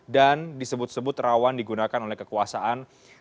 dan disebut sebut rawan digunakan oleh kekuasaan